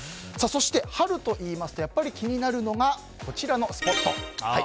そして、春といいますとやっぱり気になるのがこちらのスポット。